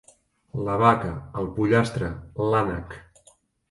La vaca, el pollastre, l'ànec.